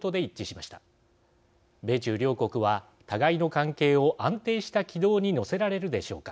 米中両国は互いの関係を安定した軌道に乗せられるでしょうか。